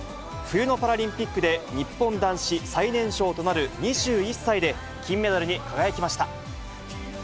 冬のパラリンピックで、日本男子最年少となる２１歳で金メダルに輝きました。